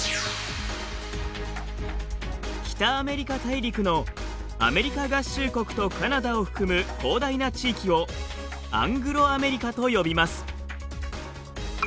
北アメリカ大陸のアメリカ合衆国とカナダを含む広大な地域をアングロアメリカと呼びます。